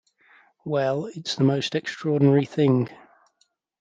Well, it's the most extraordinary thing.